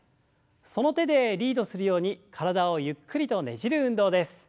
その手でリードするように体をゆっくりとねじる運動です。